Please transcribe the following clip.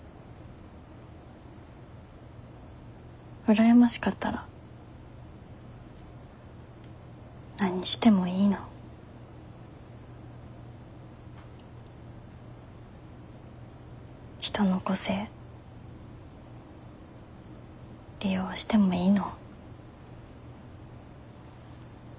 羨ましかったら何してもいいの？人の個性利用してもいいの？